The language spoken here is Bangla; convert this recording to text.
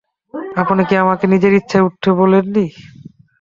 আপনি কি আমাকে নিজের ইচ্ছায় উড়তে বলেননি?